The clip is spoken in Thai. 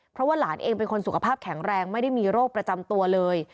เพราะว่าหลานเองเป็นคนสุขภาพแข็งแรงไม่ได้มีโรคประจำตัวเลย